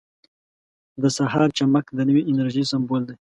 • د سهار چمک د نوې انرژۍ سمبول دی.